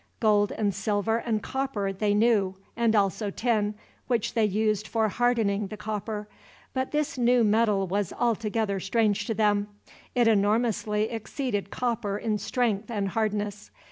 Gold and silver and copper they knew, and also tin, which they used for hardening the copper. But this new metal was altogether strange to them. It enormously exceeded copper in strength and hardness.